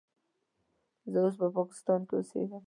زه اوس په پاکستان کې اوسیږم.